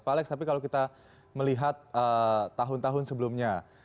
pak alex tapi kalau kita melihat tahun tahun sebelumnya